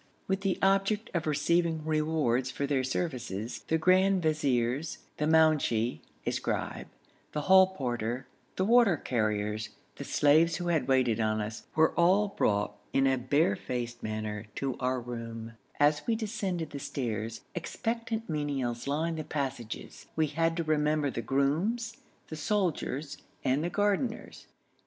With the object of receiving rewards for their services, the grand viziers, the mounshi (a scribe), the hall porter, the water carriers, the slaves who had waited on us, were all brought in a bare faced manner to our room; as we descended the stairs, expectant menials lined the passages; we had to remember the grooms, the soldiers, and the gardeners.